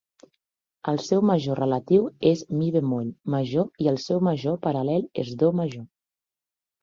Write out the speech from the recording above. El seu major relatiu és Mi bemoll major i el seu major paral·lel és Do major